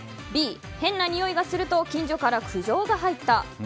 Ｂ、変なにおいがすると近所から苦情が入った。